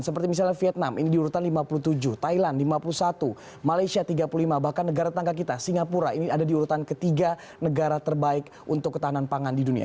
seperti misalnya vietnam ini diurutan lima puluh tujuh thailand lima puluh satu malaysia tiga puluh lima bahkan negara tetangga kita singapura ini ada di urutan ketiga negara terbaik untuk ketahanan pangan di dunia